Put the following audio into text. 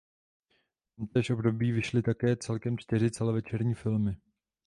V tomtéž období vyšly také celkem čtyři celovečerní filmy.